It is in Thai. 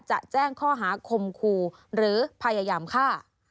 จะแจ้งข้อหาคมคู่หรือพยายามฆ่า